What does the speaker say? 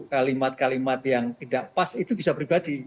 kalimat kalimat yang tidak pas itu bisa pribadi